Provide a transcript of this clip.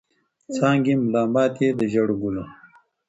څانګي ملا ماتي د ژړو ګلو